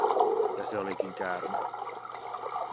Ja se olikin käärme.